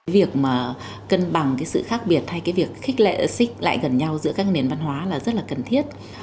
việc mà cân bằng cái sự khác biệt hay cái việc khích lệ xích lại gần nhau giữa các nền văn hóa là rất là cần thiết